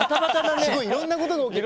すごいいろんなことが起きる。